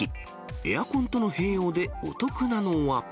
エアコンとの併用でお得なのは。